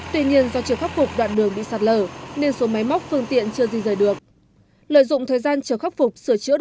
tuy nhiên do chưa khắc phục đoạn đường bị sạt lờ nên số máy móc phương tiện chưa di rời được